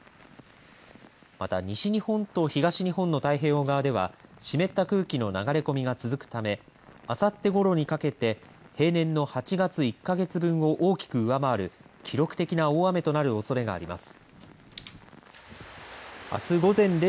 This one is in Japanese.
また、西日本と東日本の太平洋側では湿った空気の流れ込みが続くためあさってごろにかけて平年の８月１か月分を大きく上回る記録的な大雨となるおそれがあります。